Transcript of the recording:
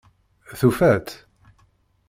Tufa-tt?